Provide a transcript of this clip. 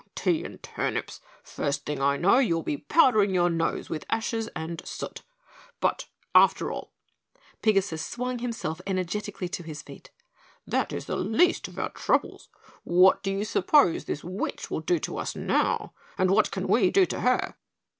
Tea and turnips, first thing I know you'll be powdering your nose with ashes and soot! But, after all " Pigasus swung himself energetically to his feet, "that is the least of our troubles. What do you suppose this witch will do to us now? And what can we do to her?